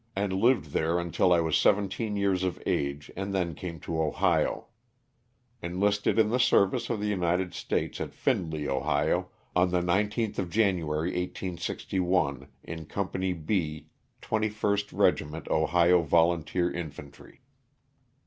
and lived there until I was seventeen years of age, and then came to Ohio. Enlisted in the service of the United States at Findley, Ohio, on the 19th of January, 1861, in Company B 2lst Regiment Ohio Volunteer Infantry.